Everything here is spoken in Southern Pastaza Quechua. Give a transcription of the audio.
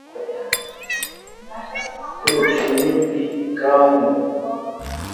Kuchuynipi kahun.